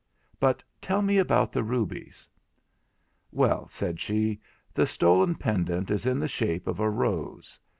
But tell me about the rubies.' 'Well,' said she, 'the stolen pendant is in the shape of a rose.